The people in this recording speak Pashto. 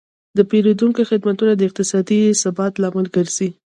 د پیرودونکو خدمتونه د اقتصادي ثبات لامل ګرځي.